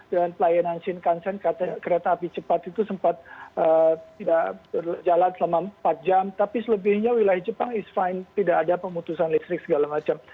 dan pelayanan shinkansen kereta api cepat itu sempat tidak berjalan selama empat jam tapi selebihnya wilayah jepang is fine tidak ada pemutusan listrik segala macam